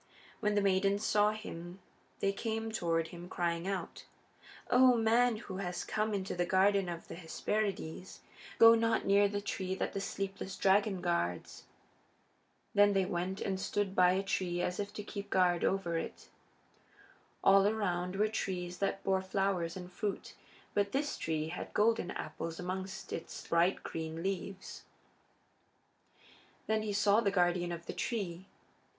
When the maidens saw him they came toward him crying out: "O man who has come into the Garden of the Hesperides, go not near the tree that the sleepless dragon guards!" Then they went and stood by a tree as if to keep guard over it. All around were trees that bore flowers and fruit, but this tree had golden apples amongst its bright green leaves. Then he saw the guardian of the tree.